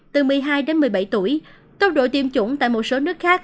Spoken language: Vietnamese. từ một mươi hai đến một mươi bảy tuổi tốc độ tiêm chủng tại một số nước khác